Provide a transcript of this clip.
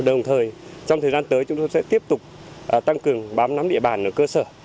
đồng thời trong thời gian tới chúng tôi sẽ tiếp tục tăng cường bám nắm địa bàn ở cơ sở